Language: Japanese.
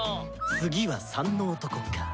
次は「３」の男か。